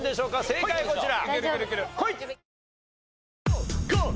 正解こちら。